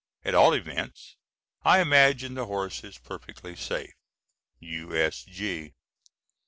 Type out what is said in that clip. At all events I imagine the horse is perfectly safe. U.S.G.